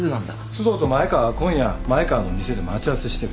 須藤と前川は今夜前川の店で待ち合わせしてるって。